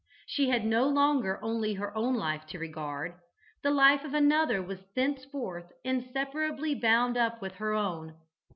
She had no longer only her own life to regard, the life of another was thenceforth inseparably bound up with her own.